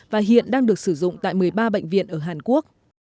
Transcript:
và hiện đang được sử dụng tại một mươi ba bệnh viện ở hàn quốc